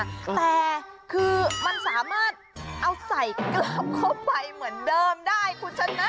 แต่คือมันสามารถเอาใส่กลับเข้าไปเหมือนเดิมได้คุณชนะ